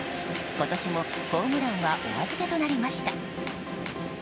今年も、ホームランはお預けとなりました。